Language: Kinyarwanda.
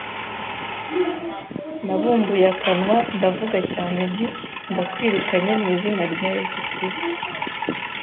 Nabumbuye akanwa ndavuga cyane nti “Ndakwirukanye mu izina rya Yesu Kristo